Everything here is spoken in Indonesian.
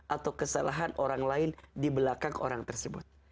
atau kesalahan orang lain di belakang orang tersebut